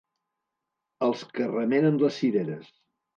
Els que remenen les cireres.